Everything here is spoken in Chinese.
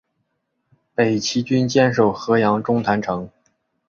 北齐军坚守河阳中潭城。